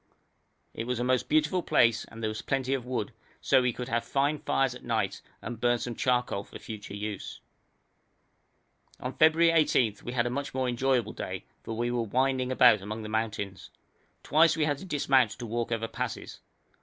It was a most beautiful place and there was plenty of wood, so we could have fine fires at night and burn some charcoal for future use. On February 18 we had a much more enjoyable day, for we were winding about among the mountains. Twice we had to dismount to walk over passes.